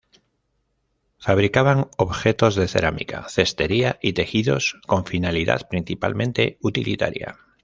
Fabricaban objetos de cerámica, cestería y tejidos con finalidad principalmente utilitaria.